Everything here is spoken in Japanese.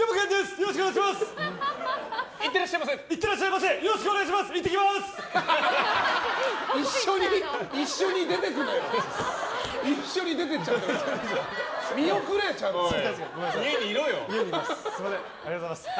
よろしくお願いします！